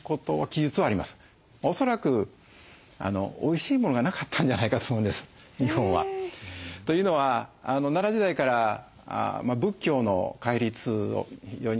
恐らくおいしいものがなかったんじゃないかと思うんです日本は。というのは奈良時代から仏教の戒律を非常に厳しく守って獣の肉を食べないと。